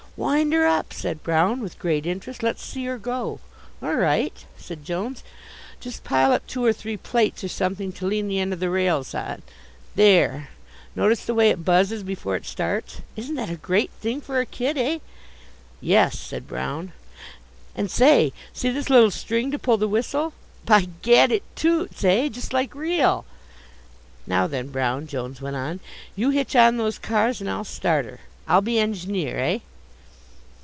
"Wind her up," said Brown with great interest. "Let's see her go." "All right," said Jones. "Just pile up two or three plates or something to lean the end of the rails on. There, notice the way it buzzes before it starts. Isn't that a great thing for a kid, eh?" "Yes," said Brown. "And say, see this little string to pull the whistle! By Gad, it toots, eh? Just like real?" "Now then, Brown," Jones went on, "you hitch on those cars and I'll start her. I'll be engineer, eh!"